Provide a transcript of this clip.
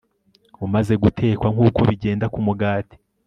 umaze gutekwa nkuko bigenda ku mugati